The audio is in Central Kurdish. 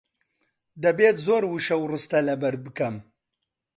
دەبێت زۆر وشە و ڕستە لەبەر بکەم.